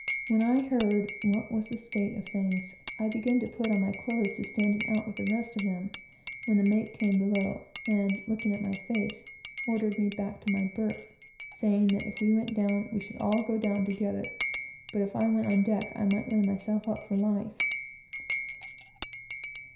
When I heard what was the state of things, I began to put on my clothes to stand it out with the rest of them, when the mate came below, and looking at my face, ordered me back to my berth, saying that if we went down, we should all go down together, but if I went on deck I might lay myself up for life.